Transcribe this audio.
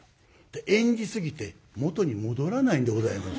演じすぎて元に戻らないんでございます。